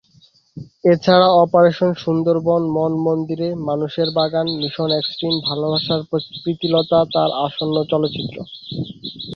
এছাড়া অপারেশন সুন্দরবন, ‘মন মন্দিরে’,মানুষের বাগান, মিশন এক্সট্রিম, ভালবাসার প্রীতিলতা তার আসন্ন চলচ্চিত্র।